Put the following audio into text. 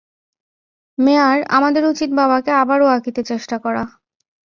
মেয়ার, আমাদের উচিত বাবাকে আবার ওয়াকিতে চেষ্টা করা।